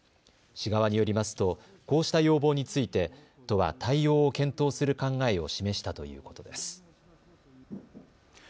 市側によりますとこうした要望について都は対応を検討する考えを示したということです。